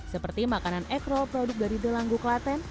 seperti makanan ekrol produk dari delanggu klaten